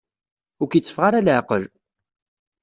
Ur k-iteffeɣ ara leɛqel.